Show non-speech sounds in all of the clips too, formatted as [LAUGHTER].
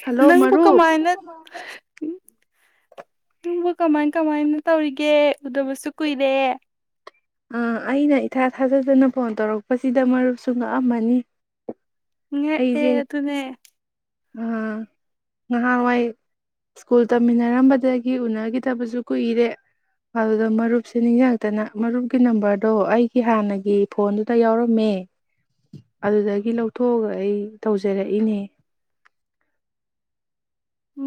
hello ꯅꯪꯕꯨ ꯃꯔꯨꯞ ꯀꯃꯥꯏꯅ ꯀꯃꯥꯏ ꯀꯃꯥꯏꯅ ꯇꯧꯔꯤꯒꯦ ꯎꯗꯕꯁꯨ ꯀꯨꯏꯔꯦ ꯑꯥ ꯑꯩꯅ ꯏꯊꯥ ꯊꯥꯖꯗꯨꯅ ꯐꯣꯟ ꯇꯧꯔꯛꯄꯁꯤꯗ ꯃꯔꯨꯞꯁꯨ ꯉꯛꯑꯝꯃꯅꯤ ꯉ ꯑꯦ ꯑꯩꯁꯦ ꯑꯗꯨ ꯑꯗꯨꯅꯦ ꯉꯍꯥꯟꯋꯥꯏ ꯁ꯭ꯀꯨꯜ ꯇꯝꯃꯤꯟꯅꯔꯝꯕꯗꯒꯤ ꯎꯅꯈꯤꯗꯕꯁꯨ ꯀꯨꯏꯔꯦ ꯑꯗꯨꯗ ꯃꯔꯨꯞꯁꯦ ꯅꯤꯡꯖꯥꯛꯇꯅ ꯃꯔꯨꯞ ꯀꯤ ꯅꯝꯕꯔꯗꯣ ꯑꯩꯒꯤ ꯍꯥꯟꯅꯒꯤ ꯐꯣꯟꯗꯨꯗ ꯌꯥꯎꯔꯝꯃꯦ ꯑꯗꯨꯗꯒꯤ ꯂꯧꯊꯣꯛꯑꯒ ꯑꯩ ꯇꯧꯖꯔꯛꯏꯅꯦ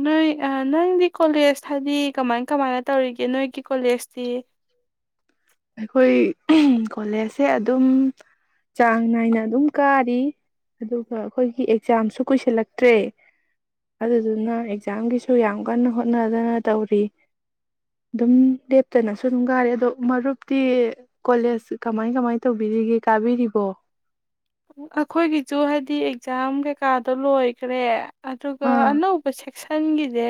ꯅꯣꯏ ꯅꯪꯗꯤ ꯀꯣꯂꯦꯖ ꯍꯥꯏꯗꯤ ꯀꯃꯥꯏ ꯀꯃꯥꯏꯅ ꯇꯧꯔꯤꯒꯦ ꯅꯣꯏꯒꯤ ꯀꯣꯂꯦꯖꯇꯤ ꯑꯩꯈꯣꯏ ꯀꯣꯂꯦꯖꯁꯦ ꯑꯗꯨꯝ ꯆꯥꯡ ꯅꯥꯏꯅ ꯑꯗꯨꯝ ꯀꯥꯔꯤ ꯑꯗꯨꯒ ꯑꯩꯈꯣꯏꯒꯤ ꯑꯦꯛꯖꯥꯝꯁꯨ ꯀꯨꯏꯁꯤꯜꯂꯛꯇ꯭ꯔꯦ ꯑꯗꯨꯗꯨꯅ ꯑꯦꯛꯖꯥꯝꯒꯤꯁꯨ ꯌꯥꯝ ꯀꯟꯅ ꯍꯣꯠꯅꯗꯅ ꯇꯧꯔꯤ ꯑꯗꯨꯝ ꯂꯦꯞꯇꯅꯁꯨ ꯑꯗꯨꯝ ꯀꯥꯔꯤ ꯑꯗꯣ ꯃꯔꯨꯞ ꯇꯤ ꯀꯣꯂꯦꯖ ꯀꯃꯥꯏ ꯀꯃꯥꯏ ꯇꯧꯕꯤꯔꯤꯒꯦ ꯀꯥꯕꯤꯔꯤꯕꯣ ꯑꯩꯈꯣꯏꯒꯤꯁꯨ ꯍꯥꯏꯗꯤ ꯑꯦꯛꯖꯥꯝ ꯀꯩꯀꯥꯗꯣ ꯂꯣꯏꯈ꯭ꯔꯦ ꯑꯗꯨ꯭ꯔꯒ ꯑꯥ ꯑꯅ ꯎꯕ ꯆꯦꯛ ꯀꯛꯁꯟꯒꯤꯗꯤ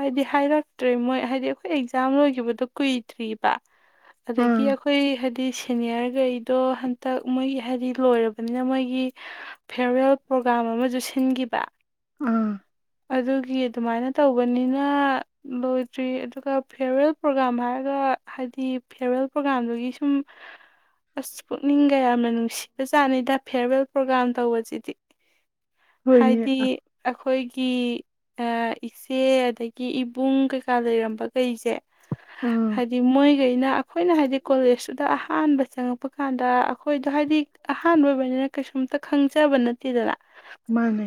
ꯍꯥꯏꯗꯤ ꯍꯥꯏꯔꯛꯇ꯭ꯔꯦ ꯃꯣꯏ ꯍꯥꯏꯗꯤ ꯑꯩꯈꯣꯏ ꯑꯦꯛꯖꯥꯝ ꯂꯣꯏꯈꯤꯕꯗꯣ ꯀꯨꯏꯗ꯭ꯔꯤꯕ ꯑꯗꯒꯤ ꯑꯥ ꯑꯩꯈꯣꯏ ꯍꯥꯏꯗꯤ ꯁꯦꯅꯤꯌꯔꯈꯩꯗꯣ ꯍꯟꯇꯛ ꯃꯣꯏꯒꯤ ꯍꯥꯏꯗꯤ ꯂꯣꯏꯔꯕꯅꯤꯅ ꯃꯣꯏꯒꯤ ꯐꯤꯔꯋꯦꯜ ꯄ꯭ꯔꯣꯒꯥ꯭ꯔꯥꯝ ꯑꯃꯁꯨ ꯁꯤꯟꯈꯤꯕ ꯑꯥ ꯑꯗꯨꯒꯤ ꯑꯗꯨꯃꯥꯏꯅ ꯇꯧꯕꯅꯤꯅ ꯂꯣꯏꯗ꯭ꯔꯤ ꯑꯗꯨꯒ ꯐꯤꯌꯥꯔꯋꯦꯜ ꯄ꯭ꯔꯣꯒꯥꯥꯝ ꯍꯥꯏꯔꯒ ꯍꯥꯏꯗꯤ ꯐꯤꯌꯔꯋꯦꯜ ꯄ꯭ꯔꯣꯒꯥꯥꯝꯗꯨꯒꯤ ꯁꯨꯝ ꯑꯁ ꯄꯨꯛꯅꯤꯡꯒ ꯌꯥꯝꯅ ꯅꯨꯡꯁꯤ ꯆꯆꯥꯅꯤꯗ ꯐꯦꯔꯋꯦꯜ ꯄ꯭ꯔꯣꯒꯥꯥꯝ ꯇꯧꯕꯁꯤꯗꯤ ꯍꯣꯏꯅꯦ ꯍꯥꯏꯗꯤ ꯑꯩꯈꯣꯏꯒꯤ ꯏꯆꯦ ꯑꯗꯒꯤ ꯏꯕꯨꯡ ꯀꯩꯀꯥ ꯂꯩꯔꯝꯕ ꯀꯩꯁꯦ ꯑꯥ ꯍꯥꯏꯗꯤ ꯃꯣꯏ ꯀꯩꯅ ꯑꯩꯈꯣꯏꯅ ꯍꯥꯏꯗꯤ ꯀꯣꯂꯦꯖꯇꯨꯗ ꯑꯍꯥꯟꯕ ꯆꯪꯉꯛꯄ ꯀꯥꯟꯗ ꯑꯩꯈꯣꯏꯗꯣ ꯍꯥꯏꯗꯤ ꯑꯍꯥꯟꯕ ꯑꯣꯏꯕꯅꯤꯅ ꯀꯩꯁꯨꯝꯇ ꯈꯪꯖꯕ ꯅꯠꯇꯦꯗꯅ ꯃꯥꯅꯦ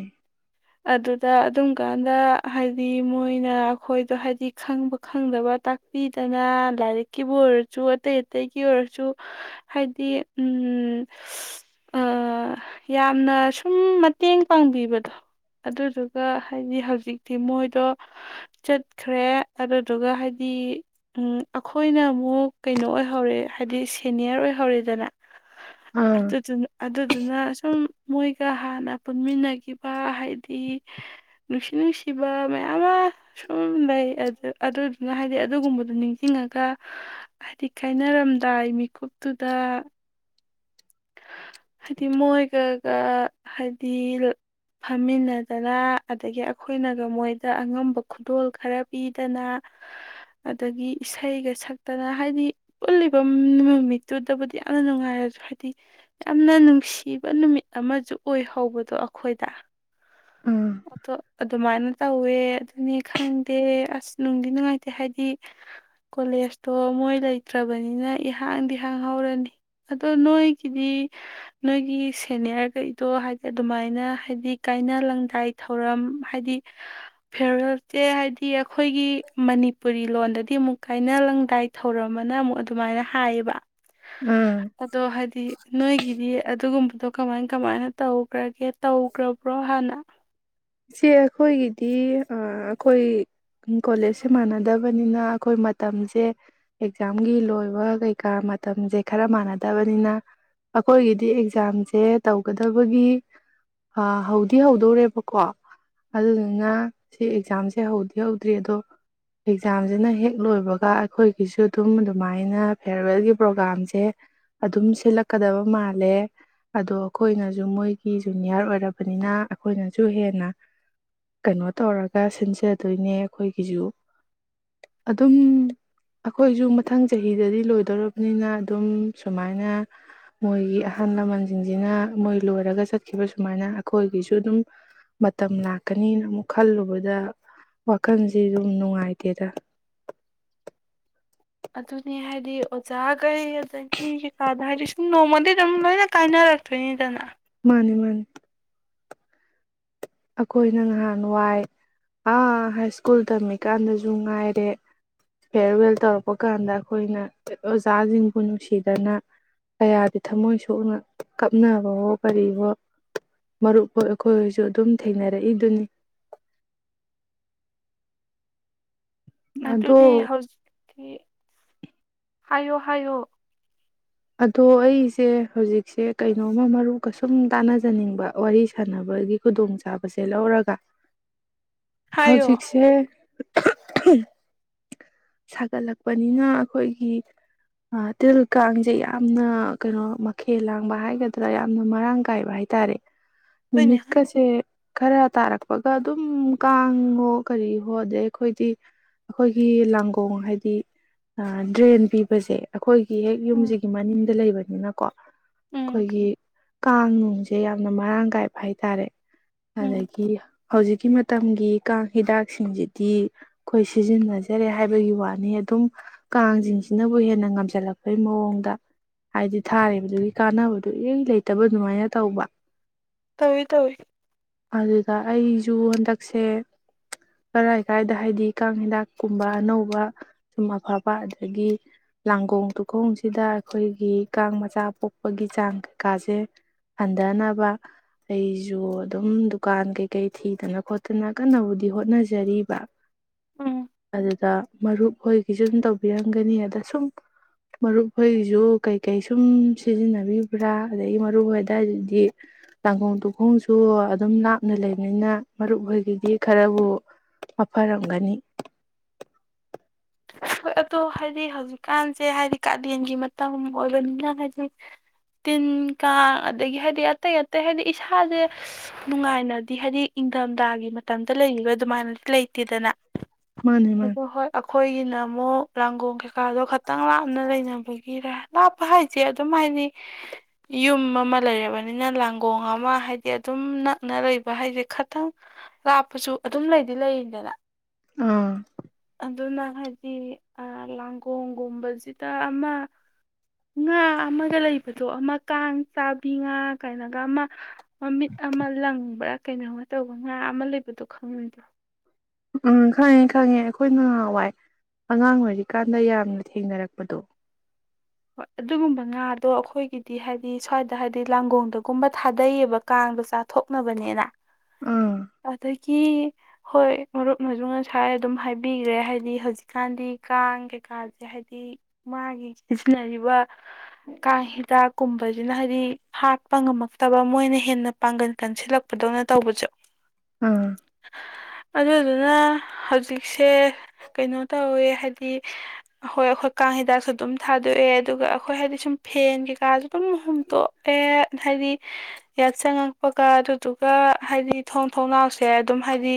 ꯑꯗꯨꯗ ꯑꯗꯨꯝꯀꯥꯟꯗ ꯍꯥꯏꯗꯤ ꯃꯣꯏꯅ ꯑꯩꯈꯣꯏꯗꯣ ꯍꯥꯏꯗꯤ ꯈꯪꯕ ꯈꯪꯗꯕ ꯇꯥꯛꯄꯤꯗꯅ ꯂꯥꯏꯔꯤꯛꯀꯤꯕꯨ ꯑꯣꯏꯔꯁꯨ ꯑꯇꯩ ꯑꯇꯩꯒꯤ ꯑꯣꯏꯔꯁꯨ ꯍꯥꯏꯗꯤ ꯎ ꯌꯥꯝꯅ ꯁꯨꯝ ꯃꯇꯦꯡ ꯄꯥꯡꯕꯤꯕꯗꯣ ꯑꯗꯨꯗꯨꯒ ꯍꯥꯏꯗꯤ ꯍꯧꯖꯤꯛꯇꯤ ꯃꯣꯏꯗꯣ ꯆꯠꯈ꯭ꯔꯦ ꯑꯗꯨꯗꯨꯒ ꯍꯥꯏꯗꯤ ꯑꯩꯈꯣꯏꯅ ꯑꯃꯨꯛ ꯀꯩꯅꯣ ꯑꯣꯏꯍꯧꯔꯦ ꯍꯥꯏꯗꯤ ꯁꯦꯅꯤꯌꯔ ꯑꯣꯏꯍꯧꯔꯦꯗꯅ ꯑꯥ ꯑꯗꯨꯗꯨꯅ ꯑꯗꯨꯗꯨꯅ ꯁꯨꯝ ꯃꯣꯏꯒ ꯍꯥꯟꯅ ꯄꯨꯟꯃꯤꯟꯅꯈꯤꯕ ꯍꯥꯏꯗꯤ ꯅꯨꯡꯁꯤ ꯅꯨꯡꯁꯤꯕ ꯃꯌꯥꯝ ꯑꯃ ꯁꯨꯝ ꯂꯩ ꯑꯗꯨꯗꯨꯅ ꯍꯥꯏꯗꯤ ꯑꯗꯨꯒꯨꯝꯕꯗꯨꯣ ꯅꯤꯡꯁꯤꯡꯉꯒ ꯍꯥꯏꯗꯤ ꯀꯥꯏꯅꯔꯝꯗꯥꯏ ꯃꯤꯀꯨꯞꯇꯨꯗ ꯍꯥꯏꯗꯤ ꯃꯣꯏꯒꯒ ꯍꯥꯏꯗꯤ ꯐꯝꯃꯤꯟꯅꯗꯅ ꯑꯗꯒꯤ ꯑꯩꯈꯣꯏꯅꯒ ꯃꯣꯏꯗ ꯑꯉꯝꯕ ꯈꯨꯗꯣꯜ ꯈꯔ ꯄꯤꯗꯅ ꯑꯗꯒꯤ ꯏꯁꯩꯒ ꯁꯛꯇꯅ ꯍꯥꯏꯗꯤ ꯄꯨꯜꯂꯤꯕ ꯅꯨꯃꯤꯠꯇꯨꯗꯕꯨꯗꯤ ꯌꯥꯝꯅ ꯅꯨꯡꯉꯥꯏꯔꯁꯨꯗꯤ ꯍꯥꯏꯗꯤ ꯌꯥꯝꯅ ꯅꯨꯡꯁꯤꯕ ꯅꯨꯃꯤꯠ ꯑꯃꯁꯨ ꯑꯣꯏꯍꯧꯕꯗꯣ ꯑꯩꯈꯣꯏꯗ ꯑꯥ ꯑꯣ ꯑꯗꯨꯃꯥꯏꯅ ꯇꯧꯋꯦ ꯑꯗꯨꯅꯤ ꯈꯪꯗꯦ ꯑꯁ ꯅꯨꯡꯗꯤ ꯅꯨꯡꯉꯥꯏꯇꯦ ꯍꯥꯏꯗꯤ ꯀꯣꯂꯦꯖꯇꯣ ꯃꯣꯏ ꯂꯩꯇ꯭ꯔꯕꯅꯤꯅ ꯏꯍꯥꯡꯗꯤ ꯍꯥꯡ ꯍꯧꯥꯎꯔꯅꯤ ꯑꯗꯣ ꯅꯣꯏ ꯗꯤ ꯅꯣꯏꯒꯤ ꯁꯦꯅꯤꯌꯔꯈꯩꯗꯣ ꯍꯥꯏꯗꯤ ꯑꯗꯨꯃꯥꯏꯅ ꯍꯥꯏꯗꯤ ꯀꯥꯏꯅ ꯂꯪꯗꯥꯏ ꯊꯧꯔꯝ ꯍꯥꯏꯗꯤ ꯐꯦꯔꯋꯦꯜ ꯁꯦ ꯍꯥꯏꯗꯤ ꯑꯩꯈꯣꯏꯒꯤ ꯃꯅꯤꯄꯨꯔꯤ ꯂꯣꯟꯗꯗꯤ ꯑꯃꯨꯛ ꯀꯥꯏꯅ ꯂꯪꯗꯥꯏ ꯊꯧꯔꯝꯝꯕꯅ ꯑꯃꯨꯛ ꯑꯗꯨꯃꯥꯏꯅ ꯍꯥꯏꯌꯦꯕ ꯑꯥ ꯑꯗꯣ ꯍꯥꯏꯗꯤ ꯅꯣꯏꯒꯤꯗꯔ [UNINTELLIGIBLE] ꯑꯗꯨꯒꯨꯝꯕꯗꯣ ꯀꯃꯥꯏ ꯀꯃꯥꯏꯅ ꯇꯧꯈ꯭ꯔꯒꯦ ꯇꯧꯈ꯭ꯔꯕ꯭ꯔꯣ ꯍꯥꯟꯅ ꯁꯤ ꯑꯩꯈꯣꯏꯒꯤꯗꯤ ꯑꯩꯈꯣꯏ ꯀꯣꯂꯦꯖꯁꯦ ꯃꯥꯟꯅꯗꯕꯅꯤꯅ ꯑꯩꯈꯣꯏ ꯃꯇꯝꯁꯦ ꯑꯦꯛꯖꯥꯝꯒꯤ ꯂꯣꯏꯕ ꯀꯩꯀꯥ ꯃꯇꯝꯁꯦ ꯈꯔ ꯃꯥꯟꯅꯗꯕꯅꯤꯅ ꯑꯩꯈꯣꯏꯒꯤꯗꯤ ꯑꯦꯛꯖꯥꯝꯁꯦ ꯇꯧꯒꯗꯕꯒꯤ ꯍꯧꯗꯤꯤ ꯍꯧꯗꯣꯔꯦꯕꯀꯣ ꯑꯗꯨꯗꯨꯅ ꯁꯤ ꯑꯦꯛꯖꯥꯝꯁꯦ ꯍꯧꯗꯤ ꯍꯧꯗ꯭ꯔꯤ ꯑꯗꯣ ꯑꯦꯛꯖꯥꯝꯁꯤꯅ ꯍꯦꯛ ꯂꯣꯏꯕꯒ ꯑꯩꯈꯣꯏꯒꯤꯁꯨ ꯑꯗꯨꯝ ꯑꯗꯨꯃꯥꯏꯅ ꯐꯤꯌꯔꯋꯦꯜꯒꯤ ꯄ꯭ꯔꯣꯒꯥꯝꯁꯦ ꯑꯗꯨꯝ ꯁꯤꯠꯂꯛꯀꯗꯕ ꯃꯥꯜꯂꯦ ꯑꯗꯣ ꯑꯩꯈꯣꯏꯅꯁꯨ ꯃꯣꯏꯒꯤ ꯖꯨꯅꯤꯌꯥꯔ ꯑꯣꯏꯔꯕꯅꯤꯅ ꯑꯩꯈꯣꯏꯅꯁꯨ ꯍꯦꯟꯅ ꯀꯩꯅꯣ ꯇꯧꯔꯒ ꯁꯤꯟꯖꯗꯣꯏꯅꯦ ꯑꯩꯈꯣꯏꯒꯤꯁꯨ ꯑꯗꯨꯝ ꯑꯩꯈꯣꯏꯁꯨ ꯃꯊꯪ ꯆꯍꯤꯗꯗꯤ ꯂꯣꯏꯗꯧꯔꯕꯅꯤꯅ ꯑꯗꯨꯝ ꯁꯨꯃꯥꯏꯅ ꯃꯣꯏꯒꯤ ꯑꯍꯜ ꯂꯃꯟꯁꯤꯡꯁꯤꯅ ꯃꯣꯏ ꯂꯣꯏꯔꯒ ꯆꯠꯈꯤꯕ ꯁꯨꯃꯥꯏꯅ ꯑꯩꯈꯣꯏꯒꯤꯁꯨ ꯑꯗꯨꯝ ꯃꯇꯝ ꯂꯥꯛꯀꯅꯤꯅ ꯑꯃꯨꯛ ꯈꯜꯂꯨꯕꯗ ꯋꯥꯈꯜꯁꯤ ꯑꯗꯨꯝ ꯅꯨꯡꯉꯥꯏꯇꯦꯗ ꯑꯗꯨꯅꯤ ꯍꯥꯏꯗꯤ ꯑꯣꯖꯥꯈꯩ ꯑꯗꯒꯤ ꯀꯩꯀꯥꯗ ꯍꯥꯏꯗꯤ ꯁꯨꯝ ꯅꯣꯡꯃꯗꯤ ꯑꯗꯨꯝ ꯂꯣꯏꯅ ꯀꯥꯏꯅꯔꯛꯇꯣꯏꯅꯤꯗꯅ ꯃꯥꯅꯤ ꯃꯥꯅꯤ ꯑꯩꯈꯣꯏꯅ ꯉꯍꯥꯟ ꯋꯥꯏ ꯑꯥ ꯍꯥꯏ ꯁ꯭ꯀꯨꯜ ꯇꯝꯃꯤꯀꯥꯟꯗꯁꯨ ꯉꯥꯏꯔꯦ ꯐꯤꯌꯥꯔꯋꯦꯜ ꯇꯧꯔꯛꯄ ꯀꯥꯟꯗ ꯑꯩꯈꯣꯏꯅ ꯑꯣꯖꯥꯁꯤꯡꯕꯨ ꯅꯨꯡꯁꯤꯗꯅ ꯀꯌꯥꯗꯤ ꯊꯃꯣꯏ ꯁꯣꯛꯅ ꯀꯞꯅꯕꯣ ꯀꯔꯤꯕꯔꯤꯕꯣ ꯃꯔꯨꯞꯐꯥꯎ ꯑꯩꯈꯣꯏꯁꯨ ꯑꯗꯨꯝ ꯊꯦꯡꯅꯔꯦ ꯏꯗꯨꯅꯤ ꯑꯗꯨꯗꯤ ꯍꯧꯖꯤꯛꯇꯤ ꯍꯥꯏꯌꯣ ꯍꯥꯏꯌꯣ ꯑꯗꯣ ꯑꯩꯁꯦ ꯍꯧꯖꯤꯛꯁꯦ ꯀꯩꯅꯣꯝꯃ ꯃꯔꯨꯀꯁꯨꯝ ꯇꯥꯟꯅꯖꯅꯤꯡꯕ ꯋꯥꯔꯤ ꯁꯥꯟꯅꯕꯒꯤ ꯈꯨꯗꯣꯡꯆꯥꯥꯕꯁꯦ ꯂꯧꯔꯒ ꯍꯥꯏꯌꯣ ꯍꯧꯖꯤꯛꯁꯦ ꯝ [UNINTELLIGIBLE] ꯁꯥꯒꯠꯂꯛꯄꯅꯤꯅ ꯑꯩꯈꯣꯏꯒꯤ ꯇꯜ ꯀꯥꯡꯁꯦ ꯌꯥꯝꯅ ꯀꯩꯅꯣ ꯃꯈꯦꯜ ꯂꯥꯡꯕ ꯍꯥꯏꯒꯗ꯭ꯔꯥ ꯌꯥꯝꯅ ꯃꯔꯥꯡ ꯀꯥꯏꯕ ꯍꯥꯏꯇꯥꯔꯦ ꯍꯣꯏꯅꯦ ꯅꯨꯃꯤꯠ ꯍꯣꯏꯅꯦ ꯀꯁꯦ ꯈꯔ ꯇꯥꯔꯛꯄꯒ ꯑꯗꯨꯝ ꯀꯥꯡꯉꯣ ꯀꯔꯤ ꯍꯣ ꯑꯗꯩ ꯑꯩꯈꯣꯏꯗꯤ ꯑꯩꯈꯣꯏꯒꯤ ꯂꯥꯡꯒꯣ ꯈꯣꯡ ꯍꯥꯏꯗꯤ ꯗ꯭ꯔꯦꯟ ꯄꯤꯕꯁꯦ ꯑꯩꯈꯣꯏꯒꯤ ꯍꯦꯛ ꯎꯝ ꯌꯨꯝꯁꯤꯒꯤ ꯃꯅꯤꯡꯗ ꯂꯩꯕꯅꯤꯅꯀꯣ ꯎꯝ ꯑꯩꯈꯣꯏꯒꯤ ꯀꯥꯡ ꯅꯨꯡꯁꯦ ꯌꯥꯝꯅ ꯃꯔꯥꯡ ꯀꯥꯏꯕ ꯍꯥꯏꯇꯥꯔꯦ ꯎꯝ ꯑꯗꯨꯗꯒꯤ ꯍꯧꯖꯤꯛꯀꯤ ꯃꯇꯝꯒꯤ ꯀꯥꯡ ꯍꯤꯗꯥꯛꯁꯤꯡꯁꯤꯗꯤ ꯑꯩꯈꯣꯏ ꯁꯤꯖꯤꯟꯅꯖꯔꯦ ꯍꯥꯏꯕꯒꯤ ꯋꯥꯅꯤ ꯑꯗꯨꯝ ꯀꯥꯡꯁꯤꯡꯁꯤꯅꯕꯨ ꯍꯦꯟꯅ ꯉꯝꯁꯤꯜꯂꯛꯄꯩ ꯃꯑꯣꯡꯗ ꯍꯥꯏꯗꯤ ꯊꯥꯔꯤꯕꯗꯨꯒꯤ ꯀꯥꯟꯅꯕꯗꯨꯣ ꯏ ꯂꯩꯇꯕ ꯑꯗꯨꯃꯥꯏꯅ ꯇꯧꯕ ꯇꯋꯏ ꯇꯋꯏ ꯑꯗꯨꯒ ꯑꯩꯁꯨ ꯍꯟꯗꯛꯁꯦ ꯀꯔꯥꯏ ꯂꯩꯀꯥꯏꯗ ꯍꯥꯏꯗꯤ ꯀꯥꯡ ꯍꯤꯗꯥꯛ ꯀꯨꯝꯕ ꯑꯅꯧꯕ ꯁꯨꯝ ꯑꯐꯕ ꯑꯗꯒꯤ ꯂꯥꯡꯒꯣꯡ ꯇꯨꯈꯣꯡꯁꯤꯗ ꯑꯩꯈꯣꯏꯒꯤ ꯀꯥꯡ ꯃꯆꯥ ꯄꯣꯛꯄꯒꯤ ꯆꯥꯡ ꯀꯩꯀꯥꯁꯦ ꯍꯟꯊꯅꯕ ꯑꯩꯁꯨ ꯑꯗꯨꯝ ꯗꯨꯀꯥꯟ ꯀꯩꯀꯩ ꯊꯤꯗꯅ ꯈꯣꯠꯇꯅ ꯀꯟꯅꯕꯨꯗꯤ ꯍꯣꯠꯅꯖꯔꯤꯕ ꯎꯝ ꯑꯗꯨꯗ ꯃꯔꯨꯞ ꯍꯣꯏꯒꯤꯁꯨ ꯑꯗꯨꯨꯝ ꯇꯧꯕꯤꯔꯝꯒꯅꯤ ꯑꯗ ꯁꯨꯝ ꯃꯔꯨꯞ ꯍꯣꯏꯒꯤꯁꯨ ꯀꯩꯀꯩ ꯁꯨꯝ ꯁꯤꯖꯤꯟꯅꯕꯤꯕ꯭ꯔꯥ ꯑꯗꯒꯤ ꯃꯔꯨꯞ ꯍꯣꯏꯋꯥꯏꯗꯨꯗꯤ ꯂꯥꯡꯈꯣꯡ ꯇꯨꯈꯣꯡꯁꯨ ꯑꯗꯨꯝ ꯂꯥꯞꯅ ꯂꯩꯕꯅꯤꯅ ꯃꯔꯨꯞ ꯍꯣꯏꯒꯤꯗꯤ ꯈꯔꯕꯨ ꯍꯥꯐꯔꯝꯒꯅꯤ ꯍꯣꯏ ꯑꯗꯣ ꯍꯥꯏꯗꯤ ꯍꯧꯖꯤꯛꯀꯥꯟꯁꯦ ꯍꯥꯏꯗꯤ ꯀꯥꯂꯦꯟꯒꯤ ꯃꯇꯝ ꯑꯣꯏꯕꯅꯤꯅ ꯍꯥꯏꯗꯤ ꯇꯤꯟ ꯀꯥꯡ ꯑꯗꯒꯤ ꯍꯥꯏꯗꯤ ꯑꯇꯩ ꯑꯇꯩ ꯍꯥꯏꯗꯤ ꯏꯁꯥꯁꯦ ꯅꯨꯡꯉꯥꯏꯅꯗꯤ ꯍꯥꯏꯗꯤ ꯏꯪꯊꯝꯊꯥꯒꯤ ꯃꯇꯝꯗ ꯂꯩꯔꯤꯈ ꯑꯗꯨꯃꯥꯏꯅꯗꯤ ꯂꯩꯇꯦꯗꯅ ꯃꯥꯅꯦ ꯃꯥꯅꯦ ꯣ ꯍ ꯑꯩꯈꯣꯏꯒꯤꯅ ꯔꯪ ꯀꯀꯥꯗꯣ ꯈꯛꯇꯪ ꯂꯥꯞꯅ ꯂꯩꯅꯕꯒꯤꯔꯦ ꯂꯥꯞꯄ ꯍꯥꯏꯁꯦ ꯑꯗꯨꯝ ꯍꯥꯏꯗꯤ ꯌꯨꯝ ꯑꯃ ꯂꯩꯔꯕꯅꯤꯅ ꯂꯥꯡꯒꯣꯡ ꯑꯃ ꯍꯥꯏꯗꯤ ꯑꯗꯨꯝ ꯅꯛꯅ ꯂꯩꯕ ꯍꯥꯏꯁꯦ ꯈꯇꯪ ꯂꯥꯞꯄꯁꯨ ꯑꯗꯨꯝ ꯂꯩꯗꯤ ꯂꯩꯔꯤꯗꯅ ꯑꯥ ꯑꯗꯨꯅ ꯈꯥꯏꯗ ꯁꯤ ꯂꯥꯡꯒꯣꯒꯨꯝꯕꯁꯤꯗ ꯑꯃ ꯉꯥ ꯑꯃꯒ ꯂꯩꯕꯗꯣ ꯑꯃ ꯀꯥꯡ ꯆꯥꯕꯤ ꯉꯥ ꯀꯥꯏꯅꯒ ꯑꯃ ꯃꯃꯤꯠ ꯑꯃ ꯂꯪꯕ꯭ꯔꯥ ꯀꯩꯅꯣꯃ ꯇꯧꯕ ꯉꯥ ꯑꯃ ꯂꯩꯕꯗꯣ ꯈꯪꯉꯣꯏꯗꯣ ꯎꯝ ꯈꯪꯉꯦ ꯈꯪꯉꯦ ꯑꯩꯈꯣꯏꯅꯍꯥꯟꯋꯥꯏ ꯑꯉꯥꯡ ꯑꯣꯏꯔꯤꯀꯥꯟꯗ ꯌꯥꯝꯅ ꯊꯦꯡꯅꯔꯛꯄꯗꯣ ꯍꯣꯏ ꯑꯗꯨꯒꯨꯝꯕ ꯉꯥꯗꯣ ꯑꯩꯈꯣꯏꯒꯤꯗꯤ ꯍꯥꯏꯗꯤ ꯁ꯭ꯋꯥꯏꯗ ꯍꯥꯏꯗꯤ ꯂꯥꯡꯒꯣꯡꯗꯒꯨꯝꯕ ꯊꯥꯗꯩꯌꯦꯕ ꯀꯥꯡꯗꯣ ꯆꯥꯊꯣꯛꯅꯕꯅꯤꯅ ꯑꯥ ꯑꯗ ꯀ ꯍꯣꯏ ꯃꯔꯨꯞ ꯃꯁꯨ ꯉꯁꯥꯏ ꯑꯗꯨꯝ ꯍꯥꯏꯕꯤꯈ꯭ꯔꯦ ꯍꯥꯏꯗꯤ ꯍꯧꯖꯤꯛꯀꯥꯟꯗꯤ ꯀꯥꯡ ꯀꯩꯀꯥꯁꯦ ꯍꯥꯏꯗꯤ ꯃꯥꯒꯤ ꯁꯤꯖꯤꯟꯅꯔꯤꯕ ꯀꯥꯡ ꯍꯤꯗꯥꯛ ꯀꯨꯝꯕꯁꯤꯅ ꯍꯥꯏꯗꯤ ꯍꯥꯠꯄ ꯉꯝꯃꯛꯇꯕ ꯃꯣꯏꯅ ꯍꯦꯟꯅ ꯄꯥꯡꯒꯟ ꯀꯟꯁꯤꯜꯂꯛꯄꯗꯧꯅ ꯇꯧꯕꯁꯦ ꯑꯥ ꯑꯗꯨꯗꯨꯅ ꯍꯧꯖꯤꯛꯁꯦ ꯀꯩꯅꯣ ꯇꯧꯋꯦ ꯍꯥꯏꯗꯤ ꯑꯩꯣꯏ ꯑꯩꯈꯣꯏ ꯀꯥꯡ ꯍꯤꯗꯥꯛꯁꯨ ꯑꯗꯨꯝ ꯊꯥꯗꯣꯛꯑꯦ ꯑꯗꯨꯒ ꯑꯩꯈꯣꯏ ꯍꯥꯏꯗꯤ ꯁꯨꯝ ꯐꯦꯟ ꯀꯩꯀꯥꯁꯨ ꯑꯗꯨꯝ ꯍꯨꯝꯇꯣꯛꯑꯦ ꯍꯥꯏꯗꯤ ꯌꯥꯠ ꯆꯪꯉꯛꯄꯒ ꯑꯗꯨꯗꯨꯒ ꯍꯥꯏꯗꯤ ꯊꯣꯡ ꯊꯣꯡꯅꯥꯎꯁꯦ ꯑꯗꯨꯝ ꯍꯥꯏꯗꯤ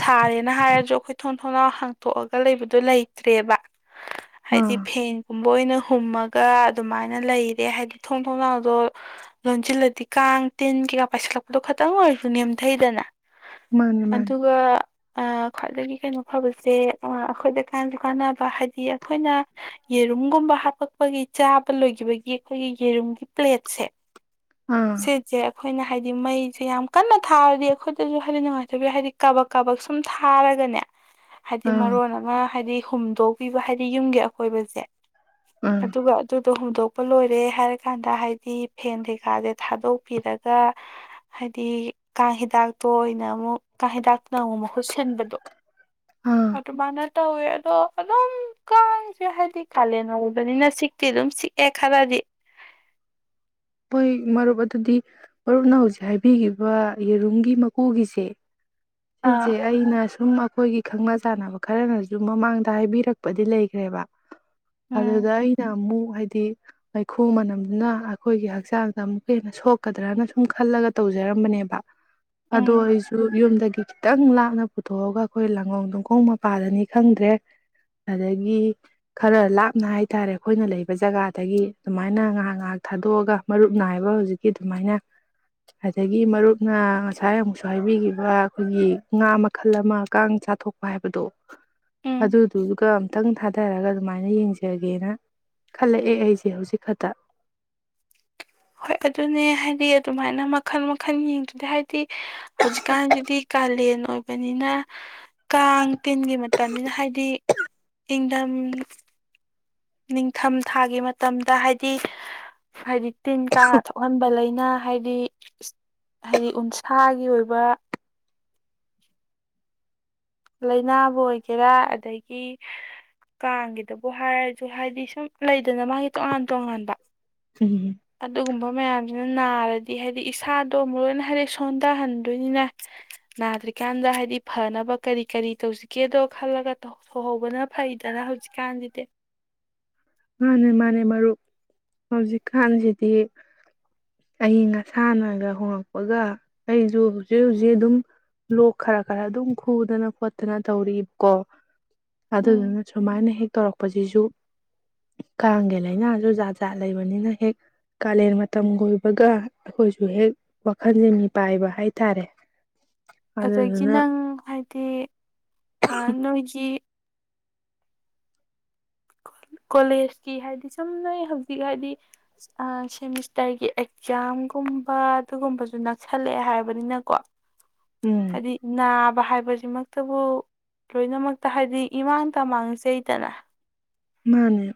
ꯁꯥꯔꯦꯅ ꯍꯥꯏꯔꯁꯨ ꯑꯩꯈꯣꯏ ꯊꯣꯡ ꯊꯣꯡꯅꯥꯎ ꯍꯥꯡꯇꯣꯛꯑꯒ ꯂꯩꯕꯗꯣ ꯂꯩꯇ꯭ꯔꯦꯕ ꯑꯥ ꯍꯥꯏꯗꯤ ꯐꯦꯟ ꯀꯨꯝꯕ ꯑꯣꯏꯅ ꯍꯨꯝꯃꯒ ꯑꯗꯨꯃꯥꯏꯅ ꯂꯩꯔꯦ ꯍꯥꯏꯗꯤ ꯊꯣꯡ ꯊꯣꯡꯅꯥꯎꯗꯣ ꯂꯣꯟꯁꯤꯜꯂꯗꯤ ꯀꯥꯡ ꯇꯤꯟ ꯀꯩꯀꯥ ꯄꯥꯏꯁꯤꯜꯂꯛꯄꯗꯣ ꯈ ꯈꯤꯇꯪ ꯑꯣꯏꯔꯁꯨ ꯅꯦꯝꯊꯩꯗꯅ ꯃꯥꯅꯦ ꯃꯥꯅꯦ ꯑꯗꯨꯒ ꯑ ꯈ꯭ꯋꯥꯏꯗꯒꯤ ꯀꯩꯅꯣ ꯐꯕꯁꯦ ꯑꯩꯈꯣꯏꯗ ꯀꯥꯟꯁꯨ ꯀꯥꯟꯅꯕ ꯍꯥꯏꯗꯤ ꯑꯩꯈꯣꯏꯅ ꯒꯨꯝꯕ ꯍꯥꯞꯄꯛꯄꯒꯤ ꯆꯥꯕ ꯂꯣꯏꯈꯤꯕꯒꯤ ꯑꯩꯈꯣꯏꯒꯤ ꯌꯦꯔꯨꯝꯒꯤ ꯄ꯭ꯂꯦꯠꯁꯦ ꯑꯥ ꯁꯤꯁꯦ ꯑꯩꯈꯣꯏꯅ ꯍꯥꯏꯗꯤ ꯃꯩꯁꯦ ꯌꯥꯝ ꯀꯟꯅ ꯊꯥꯔꯗꯤ ꯑꯩꯈꯣꯏꯗꯁꯨ ꯍꯥꯏꯗꯤ ꯅꯨꯡꯉꯥꯏꯇꯕꯤꯨ ꯍꯥꯏꯗꯤ ꯀꯕꯛ ꯀꯕꯛ ꯁꯨꯝ ꯊꯥꯔꯒꯅꯦ ꯍꯥꯏꯗꯤ ꯑꯥ ꯃꯔꯣꯟ ꯑꯃ ꯍꯥꯏꯗꯤ ꯍꯨꯝꯗꯣꯛꯄꯤꯕ ꯍꯥꯏꯗꯤ ꯌꯨꯝꯒꯤ ꯑꯀꯣꯏꯕꯁꯦ ꯑꯥ ꯑꯗꯨꯒ ꯑꯗꯨꯗꯣ ꯍꯣꯡꯗꯣꯛ ꯄ ꯂꯣꯏꯔꯦ ꯍꯥꯏꯔ ꯀꯥꯟꯗ ꯍꯥꯏꯗꯤ ꯐꯦꯟ ꯀꯩꯀꯥꯥꯁꯦ ꯊꯥꯗꯣꯛꯄꯤꯔꯒ ꯍꯥꯏꯗꯤ ꯀꯥꯡ ꯍꯤꯗꯥꯛꯇꯣ ꯑꯣꯏꯅ ꯑꯃꯨꯛ ꯀꯥꯡ ꯍꯤꯗꯥꯛꯇꯨꯅ ꯑꯃꯨꯛ ꯃꯍꯨꯠ ꯁꯤꯟꯕꯗꯣ ꯑꯥ ꯑꯇꯣ ꯃꯅꯔ ꯇꯧꯋꯦ ꯑꯗꯣ ꯑꯗꯨꯝ ꯀꯥꯏꯁꯦ ꯍꯥꯏꯗꯤ ꯀꯥꯂꯦꯟ ꯑꯣꯏꯕꯅꯤꯅ ꯁꯤꯛꯇꯤ ꯑꯗꯨꯝ ꯁꯤꯛꯑꯦ ꯈꯔꯗꯤ ꯍꯣꯏ ꯃꯔꯨꯞ ꯑꯗꯨꯗꯤ ꯃꯔꯨꯞꯅ ꯍꯧꯖꯤꯛ ꯍꯥꯏꯕꯤꯈꯤꯕ ꯌꯦꯔꯨꯝꯒꯤ ꯃꯀꯨꯒꯤꯁꯦ ꯁꯤꯁꯦ ꯑꯥ ꯑꯩꯅ ꯁꯨꯝ ꯑꯩꯈꯣꯏꯒꯤ ꯈꯪꯅ ꯆꯥꯟꯅꯕ ꯈꯔꯅꯁꯨ ꯃꯃꯥꯡꯗ ꯍꯥꯏꯕꯤꯔꯛꯄꯗꯤ ꯂꯩꯈ꯭ꯔꯦꯕ ꯑꯗꯨ ꯎꯝ ꯀ ꯏꯅꯃꯨ ꯍꯥꯏꯗꯤ ꯃꯩꯈꯨ ꯃꯅꯝꯗꯨꯅ ꯑꯩꯈꯣꯏꯒꯤ ꯍꯛꯆꯥꯡꯗ ꯑꯃꯨꯛꯀ ꯍꯦꯟꯅ ꯁꯣꯛꯀꯗ꯭ꯔꯅ ꯁꯨꯝ ꯈꯜꯂꯒ ꯇꯧꯖꯔꯝꯕꯅꯦꯕ ꯑꯗꯨ ꯎꯝ ꯑꯩꯁꯨ ꯌꯨꯝꯗꯒꯤ ꯈꯤꯇꯪ ꯂꯥꯞꯅ ꯄꯨꯊꯣꯛꯑꯒ ꯑꯩꯈꯣꯏ ꯂꯥꯡꯒꯣꯡ ꯣꯡꯈꯣꯡ ꯃꯄꯥꯗꯅꯤ ꯈꯪꯗ꯭ꯔꯦ ꯑꯗꯒꯤ ꯈꯔ ꯂꯥꯞꯅ ꯍꯥꯏꯇꯥꯔꯦ ꯑꯩꯈꯣꯏꯅ ꯂꯩꯕ ꯖꯒꯥꯗꯒꯤ ꯑꯗꯨꯃꯥꯏꯅ ꯉꯥꯏꯍꯥꯛ ꯉꯥꯏꯍꯥꯛ ꯊꯥꯗꯣꯛꯑꯒ ꯃꯔꯨꯞ ꯅꯥꯏꯕ ꯍꯧꯖꯤꯛꯀꯤ ꯑꯗꯨꯃꯥꯏꯅ ꯑꯗꯒꯤ ꯃꯔꯨꯞꯅ ꯉꯁꯥꯏ ꯑꯃꯨꯛꯁꯨ ꯍꯥꯏꯕꯤꯈꯤꯕ ꯑꯩꯈꯣꯏꯒꯤ ꯉꯥ ꯃꯈꯜ ꯑꯃ ꯀꯥꯡ ꯆꯥꯊꯣꯛꯄ ꯍꯥꯏꯕꯗꯣ ꯎꯝ ꯑꯗꯨꯗꯨꯗꯨꯒ ꯑꯝꯇꯪ ꯊꯥꯗꯔꯒ ꯑꯗꯨꯃꯥꯏꯅ ꯌꯦꯡꯖꯒꯦꯅ ꯈꯜꯂꯛꯑꯦ ꯑꯩꯁꯦ ꯍꯧꯖꯤꯛ ꯈꯛꯇ ꯍꯣꯏ ꯑꯗꯨꯅꯦ ꯍꯥꯏꯗꯤ ꯑꯗꯨꯃꯥꯏꯅ ꯃꯈꯜ ꯃꯈꯜ ꯌꯦꯡꯗꯨꯗꯤ ꯍꯥꯏꯗꯤ ꯍꯧꯖꯤꯛꯀꯥꯟꯗꯨꯗꯤ ꯀꯥꯂꯦꯟ ꯑꯣꯏꯕꯅꯤꯅ ꯀꯥꯡ ꯇꯤꯟꯒꯤ ꯃꯇꯝꯅꯤꯅ ꯍꯥꯏꯗꯤ ꯏꯪꯗꯝꯝ ꯅꯤꯡꯊꯝ ꯊꯥꯒꯤ ꯃꯇꯝꯗ ꯍꯥꯏꯗꯤ ꯍꯥꯏꯗꯤ ꯇꯤꯟ ꯀꯥ ꯊꯣꯛꯍꯟꯕ ꯂꯩꯅ ꯍꯥꯏꯗꯤ ꯍꯥꯏꯗꯤ ꯎꯟꯁꯥꯒꯤ ꯑꯣꯏꯕ ꯂꯥꯏꯅꯥꯕꯨ ꯑꯣꯏꯒꯦꯔꯥ ꯑꯗꯒꯤ ꯀꯥꯡꯒꯤꯗꯕꯨ ꯍꯥꯏꯔꯁꯨ ꯍꯥꯏꯗꯤ ꯁꯨꯝ ꯂꯩꯗꯅ ꯃꯥꯒꯤ ꯇꯣꯉꯥꯟ ꯇꯣꯉꯥꯟꯕ ꯎꯝ ꯑꯗꯨꯒꯨꯝꯕ ꯃꯌꯥꯝ ꯑꯗꯨ ꯅꯥꯔꯗꯤ ꯍꯥꯏꯗꯤ ꯏꯁꯥꯗꯣꯨꯛ ꯂꯣꯏ ꯍꯥꯏꯗꯤꯦꯛ ꯁꯣꯟꯊꯍꯟꯗꯣꯏꯅꯤꯅ ꯅꯥꯗ꯭ꯔꯤꯀꯥꯟꯗ ꯍꯥꯏꯗꯤ ꯐꯅꯕ ꯀꯔꯤ ꯀꯔꯤ ꯇꯧꯁꯤꯒꯦꯗꯣ ꯈꯜꯂꯒ ꯁꯧꯍꯧꯕꯅ ꯐꯩꯗꯅ ꯍꯧꯖꯤꯛꯀꯥꯟꯁꯤꯗꯤ ꯃꯥꯅꯦ ꯃꯥꯅꯦ ꯃꯔꯨꯞ ꯍꯧꯖꯤꯛꯀꯥꯟꯁꯤꯗꯤ ꯑꯏꯪ ꯑꯁꯥꯅꯒ ꯍꯣꯡꯉꯛꯄꯒ ꯑꯩꯁꯨ ꯍꯧꯖꯤꯛ ꯍꯧꯖꯤꯛ ꯑꯗꯨꯝ ꯂꯣꯛ ꯈꯔ ꯈꯔ ꯑꯗꯨꯝ ꯈꯨꯗꯅ ꯈꯣꯠꯇꯅ ꯇꯧꯔꯛꯕꯀꯣ ꯎꯝ ꯑꯗꯨꯗꯨꯅ ꯁꯨꯃꯥꯏꯅ ꯍꯦꯛ ꯇꯧꯔꯛꯄ ꯑꯁꯤꯁꯨ ꯀꯥꯡꯒꯤ ꯂꯥꯏꯅꯥꯁꯨ ꯖꯥꯠ ꯖꯥꯠ ꯂꯩꯕꯅꯤꯅ ꯍꯦꯛ ꯀꯥꯂꯦꯟ ꯃꯇꯝ ꯀꯣꯏꯕꯒ ꯑꯩꯈꯣꯏꯁꯨ ꯍꯦꯛ ꯋꯥꯈꯜꯁꯦ ꯃꯤꯄꯥꯏꯕ ꯍꯥꯏ ꯇꯔꯦ ꯑꯗꯒꯤ ꯅꯪ ꯍꯥꯏ ꯇ ꯑ ꯅꯣꯏꯒꯤ ꯀꯣꯂꯦꯖꯀꯤ ꯍꯥꯏꯗꯤ ꯁꯨꯝ ꯅꯣꯏ ꯍꯧꯖꯤꯛ ꯍꯥꯏꯗꯤ ꯁꯦꯃꯤꯁꯇꯔꯒꯤ ꯑꯦꯛꯖꯥꯝꯒꯨꯝꯕ ꯑꯗꯨꯒꯨꯝꯕꯁꯨ ꯅꯛꯁꯜꯂꯛꯑꯦ ꯍꯥꯏꯕꯅꯤꯅꯀꯣ ꯎꯝ ꯍꯥꯏꯗꯤ ꯅꯥꯕ ꯍꯥꯏꯕ ꯁꯤꯃꯛꯇꯕꯨ ꯂꯣꯏꯅꯃꯛꯇ ꯍꯥꯏꯕꯗꯤ ꯏꯃꯥꯡ ꯇ ꯃꯥꯡꯖꯩꯗꯅ ꯃꯥꯅꯦ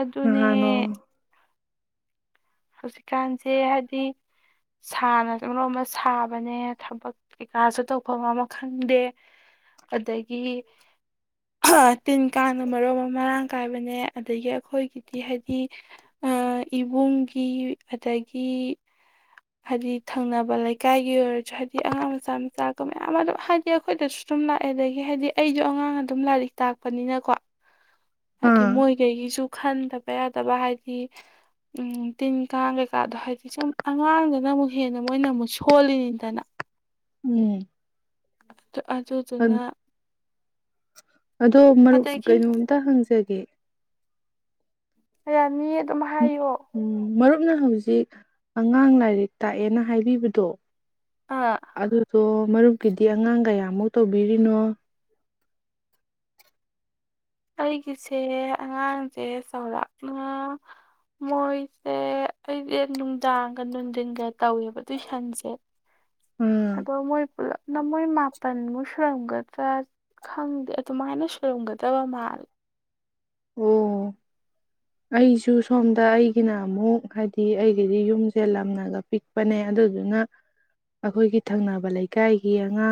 ꯑꯗꯨꯅꯦ ꯅꯍꯥꯟꯅꯣ ꯍꯧꯖꯤꯛꯀꯥꯟꯁꯦ ꯍꯥꯏꯗꯤ ꯁꯥꯅ ꯂꯣ ꯑꯃ ꯁꯥꯕꯅꯦ ꯊꯕꯛ ꯀꯩꯀꯥꯁꯨ ꯇꯧꯐꯝ ꯑꯃ ꯈꯪꯗꯦ ꯑꯗꯒꯤ ꯗꯒꯤ ꯇꯤꯟ ꯀꯥꯡꯅ ꯃꯔꯨꯞ ꯑꯃ ꯃꯔꯥꯡ ꯀꯥꯏꯕꯅꯦ ꯑꯗꯒꯤ ꯑꯩꯈꯣꯏꯒꯤꯗꯤ ꯍꯥꯏꯗꯤ ꯏꯕꯨꯡꯒꯤ ꯑꯗꯒꯤ ꯍꯥꯏꯗꯤ ꯊꯪꯅꯕ ꯂꯩꯀꯥꯏꯒꯤ ꯑꯣꯏꯔꯁꯨ ꯍꯥꯏꯗꯤ ꯑꯉꯥꯡ ꯃꯆꯥ ꯃꯆꯥꯀ ꯃꯌꯥꯝ ꯑꯗꯨꯝ ꯍꯥꯏꯗꯤ ꯑꯩꯈꯣꯏꯗꯁꯨ ꯑꯗꯨꯝ ꯂꯥꯛꯑꯦ ꯑꯗꯒꯤ ꯍꯥꯏꯗꯤ ꯑꯩꯁꯨ ꯑꯉꯥꯡꯅ ꯑꯗꯨꯝ ꯂꯥꯏꯔꯤꯛ ꯇꯥꯛꯄꯅꯤꯅꯀꯣ ꯍꯥꯏꯗꯤ ꯑꯥ ꯃꯣꯏꯈꯩꯒꯤꯁꯨ ꯈꯟꯗꯕ ꯕ ꯌꯥꯗꯕ ꯍꯥꯏꯗꯤ ꯎ ꯇꯤꯟ ꯀꯥꯡ ꯀꯩꯀꯥꯗꯣ ꯍꯥꯏꯗꯤ ꯁꯨꯝ ꯑꯉꯥꯡꯗꯅ ꯑꯃꯨꯛ ꯍꯦꯟꯅ ꯃꯣꯏꯅ ꯑꯃꯨꯛ ꯁꯣꯜꯂꯤꯅꯤꯗꯅ ꯎꯝ ꯑꯗꯨꯗꯨꯅ ꯑꯗꯣ ꯃꯔꯨꯞ ꯑꯗꯒꯤ ꯀꯩꯅꯣꯝꯇ ꯍꯪꯖꯒꯦ ꯃꯤ ꯑꯗꯨꯝ ꯍꯥꯏꯌꯣ ꯑꯝꯅ ꯍꯧꯖꯤꯛ ꯑꯉꯥꯡ ꯂꯥꯏꯔꯤꯛ ꯇꯥꯛꯑꯦꯅ ꯍꯥꯏꯕꯤꯕꯗꯣ ꯑꯥ ꯑꯗꯨꯁꯨꯣ ꯃꯔꯨꯞꯀꯤꯗꯤ ꯑꯉꯥꯡ ꯀꯌꯥꯃꯨꯛ ꯇꯧꯕꯤꯔꯤꯅꯣ ꯑꯩꯒꯤꯁꯦ ꯑꯉꯥꯡꯁꯦ ꯆꯥꯎꯔꯥꯛꯅ ꯃꯣꯏꯁꯦ ꯑꯩꯁꯦ ꯅꯨꯡꯗꯥꯡꯒ ꯅꯨꯡꯊꯤꯟꯒ ꯇꯧꯋꯦꯕ ꯇꯨꯏꯁꯟꯁꯦ ꯑꯥ ꯑꯗꯣ ꯃꯣꯏ ꯄꯨꯂꯞ ꯅ ꯃꯣꯏ ꯃꯥꯄꯥꯟ ꯃꯨ ꯁꯨꯔꯝꯒ ꯆ ꯈꯪꯗꯦ ꯑꯗꯨꯃꯥꯏꯅ ꯁꯨꯔꯝꯒꯗꯕ ꯃꯥ ꯃꯥꯜ ꯑꯣ ꯑꯩꯁꯨ ꯁꯣꯝꯗ ꯑꯩꯒꯤꯅ ꯑꯃꯨꯛ ꯍꯥꯏꯗꯤ ꯑꯩꯒꯤꯗꯤ ꯌꯨꯝꯁꯦ ꯂꯝꯅꯒ ꯄꯤꯛꯄꯅꯦ ꯑꯗꯨꯗꯨꯅ ꯑꯩꯈꯣꯏꯒꯤ ꯊꯪꯅꯕ ꯂꯩꯀꯥꯏꯒꯤ ꯑꯉꯥꯡ